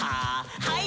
はい。